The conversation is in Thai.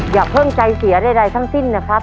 อย่าเพิ่งใจเสียใดทั้งสิ้นนะครับ